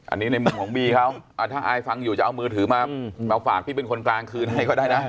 อันนี้ในมุมของบีเขาถ้าอายฟังอยู่จะเอามือถือมาฝากพี่เป็นคนกลางคืนให้ก็ได้นะ